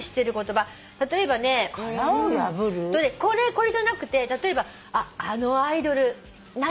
これじゃなくて例えば「あのアイドル何々したね」